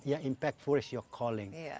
ya berpengaruh adalah panggilan anda